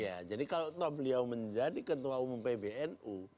iya jadi kalau beliau menjadi ketua umum pbnu